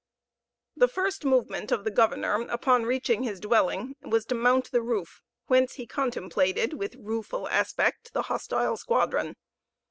The first movement of the governor, on reaching his dwelling, was to mount the roof, whence he contemplated with rueful aspect the hostile squadron.